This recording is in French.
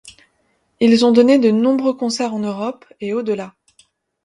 Ils ont donné de nombreux concerts en Europe et au-delà.